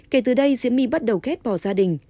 kể từ đây diễm my bắt đầu két bỏ gia đình